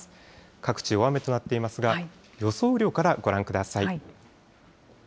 各地、大雨となっていますが、予想雨量からご覧ください。